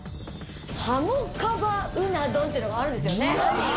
鱧カバうな丼っていうのがあるんですよね？